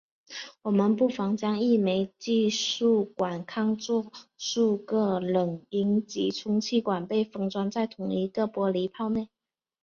我们不妨将一枚计数管看作数个冷阴极充气管被封装在同一个玻璃泡内。